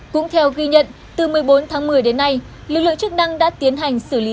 cũng theo ghi nhận từ một mươi bốn tháng một mươi đến nay lực lượng chức năng đã tiến hành xử lý